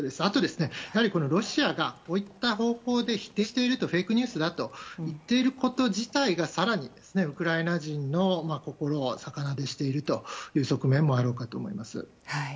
あと、ロシアがこういった方向で否定しているとフェイクニュースだと言っていること自体が更にウクライナ人の心を逆なでしているという側面もあるかと思います。